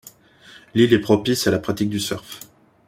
L'île est propice à la pratique du surf.